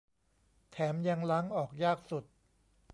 แถมยังล้างออกยากสุด